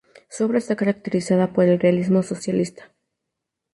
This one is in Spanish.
Su obra esta caracterizada por el realismo socialista.